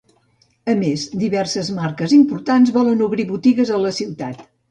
A més, diverses marques importants volen obrir botigues a la ciutat.